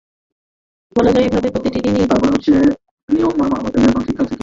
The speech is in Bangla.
বলা যায়, এভাবে প্রতিটি দিনই যেন নতুন করে টার্ন নিচ্ছে আমার ক্যারিয়ার।